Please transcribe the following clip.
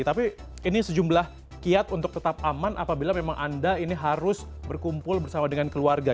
tapi ini sejumlah kiat untuk tetap aman apabila memang anda ini harus berkumpul bersama dengan keluarga